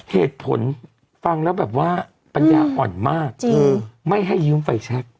เหตุผลฟังแล้วแบบว่าปัญญาอ่อนมากคือไม่ให้ยืมไฟแชค